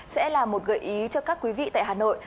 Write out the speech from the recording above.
sẽ là một gợi ý cho các quý vị tại hà nội